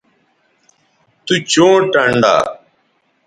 تو چوں ٹنڈا